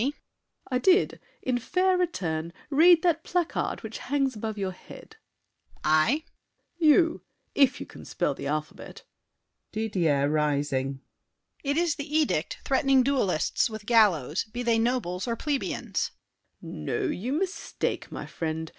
SAVERNY. I did! In fair return, Read that placard which hangs above your head. DIDIER. I? SAVERNY. You—if you can spell the alphabet. DIDIER (rising). It is the edict threatening duelists With gallows, be they nobles or plebeians. SAVERNY. No, you mistake, my friend.